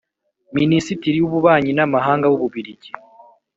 Minisitiri w Ububanyi n Amahanga w u Bubiligi